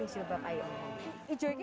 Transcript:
sepuluh tahun lagi